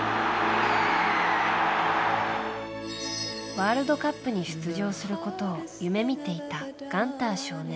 ワールドカップに出場することを夢見ていた、ガンター少年。